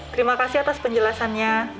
terima kasih atas penjelasannya